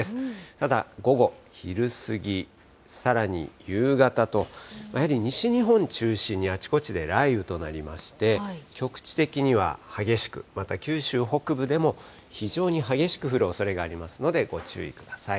ただ、午後、昼過ぎ、さらに夕方と、やはり西日本中心に、あちこちで雷雨となりまして、局地的には激しく、また九州北部でも非常に激しく降るおそれがありますので、ご注意ください。